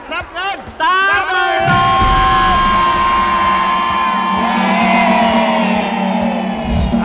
รับเงินตามินโชค